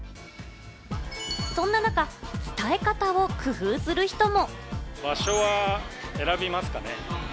そんな中、伝え方を工夫する人も。